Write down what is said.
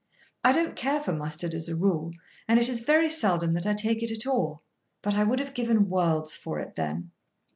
I don't care for mustard as a rule, and it is very seldom that I take it at all, but I would have given worlds for it then.